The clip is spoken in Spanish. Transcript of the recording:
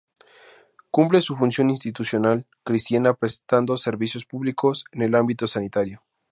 Cumple su función institucional cristiana prestando servicios públicos en el ámbito sanitario.